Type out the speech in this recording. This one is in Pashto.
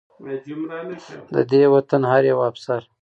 د دې وطن هر يو افسر